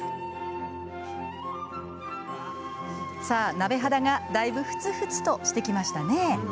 さあ鍋肌が、だいぶふつふつとしてきましたね。